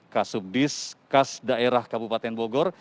kasubdis kas daerah kabupaten bogor